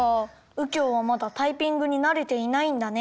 うきょうはまだタイピングになれていないんだね。